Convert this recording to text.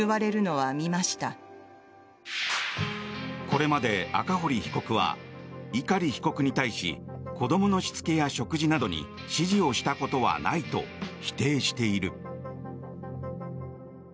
これまで赤堀被告は碇被告に対し子どものしつけや食事などに指示をしたことはないと否定している。